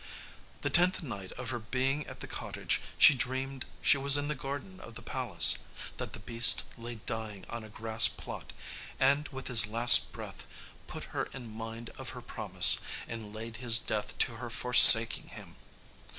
The tenth night of her being at the cottage she dreamed she was in the garden of the palace, that the beast lay dying on a grass plot, and with his last breath put her in mind of her promise, and laid his death to her forsaking him.